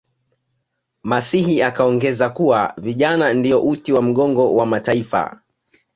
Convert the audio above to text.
masihi akaongeza kuwa vijana ndiyo uti wa mgongo wa mataifa